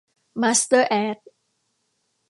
มาสเตอร์ แอด